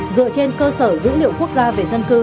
dựa trên cơ sở dữ liệu quốc gia về dân cư